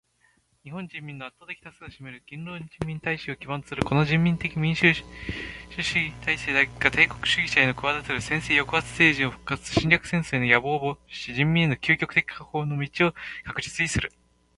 日本人民の圧倒的多数を占める勤労人民大衆を基盤とするこの人民的民主主義体制だけが帝国主義者のくわだてる専制抑圧政治の復活と侵略戦争への野望とを防止し、人民の窮極的解放への道を確実にする。